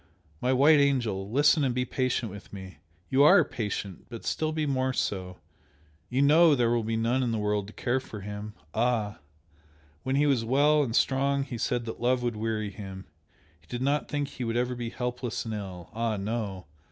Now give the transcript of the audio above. My white angel, listen and be patient with me! You ARE patient but still be more so! you know there will be none in the world to care for him! ah! when he was well and strong he said that love would weary him he did not think he would ever be helpless and ill! ah, no!